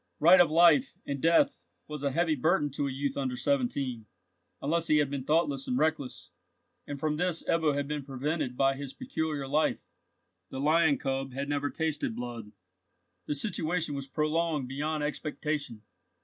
Right of life and death was a heavy burden to a youth under seventeen, unless he had been thoughtless and reckless, and from this Ebbo had been prevented by his peculiar life. The lion cub had never tasted blood. The situation was prolonged beyond expectation.